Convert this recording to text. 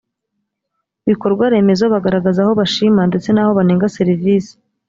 bikorwaremezo bagaragaza aho bashima ndetse n aho banenga serivisi